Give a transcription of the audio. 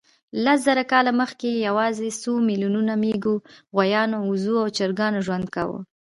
لس زره کاله مخکې یواځې څو میلیونو مېږو، غویانو، اوزو او چرګانو ژوند کاوه.